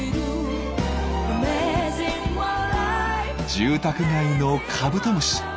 住宅街のカブトムシ。